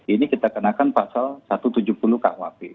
ini kita kenakan pasal satu ratus tujuh puluh khp